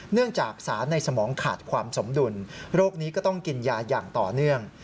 เนื่องจากสารในสมองขาดความสมดุลโรคนี้ก็ต้องกินยาอย่างต่อเนื่อง